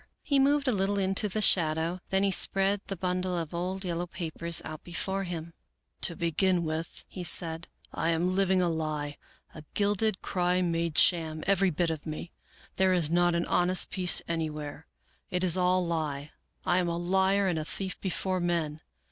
He moved a little into the shadow; then he spread the bundle of old yellow papers out before him, 73 American Mystery Stories " To begin with," he said, " I am a Hving he, a gilded crime made sham, every bit of me. There is not an honest piece anywhere. It is all lie. I am a liar and a thief before men.